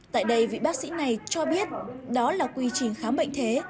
tại đây vị bác sĩ này cho biết đó là quy trình khám bệnh thế